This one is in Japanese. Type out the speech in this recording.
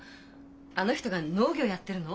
あの人が農業やってるの？